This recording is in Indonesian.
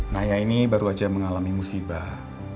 naya ini baru saja mengalami musibah